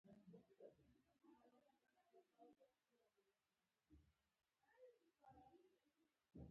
د ښار ستړي دیوالونه یې نور وړلای نه شي